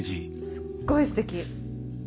すっごいすてき。